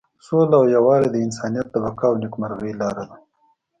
سوله او یووالی د انسانیت د بقا او نیکمرغۍ لاره ده.